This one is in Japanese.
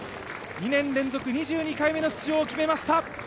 ２年連続２２回目の出場を決めました